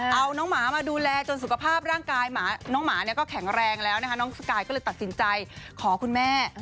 เอาน้องหมามาดูแลจนสุขภาพร่างกายน้องหมาเนี่ยก็แข็งแรงแล้วนะคะน้องสกายก็เลยตัดสินใจขอคุณแม่